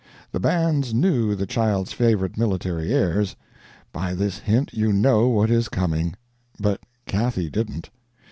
The bands knew the child's favorite military airs. By this hint you know what is coming, but Cathy didn't.